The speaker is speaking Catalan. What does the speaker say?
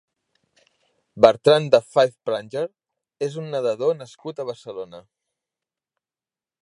Bertrand de Five Pranger és un nedador nascut a Barcelona.